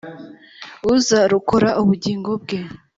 Uzarokora ubugingo bwawe